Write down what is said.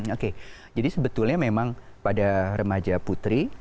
oke jadi sebetulnya memang pada remaja putri